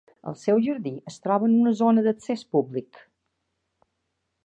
El seu jardí es troba en una zona d'accés públic?